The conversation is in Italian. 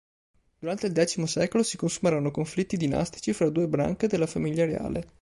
Durante il X secolo si consumarono conflitti dinastici fra due branche della famiglia reale.